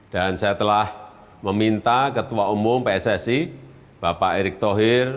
saya telah meminta ketua umum pssi bapak erick thohir